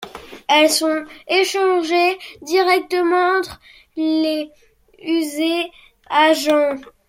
Elles sont échangées directement entre les User Agents.